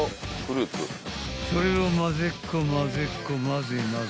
［それをまぜっこまぜっこまぜまぜ］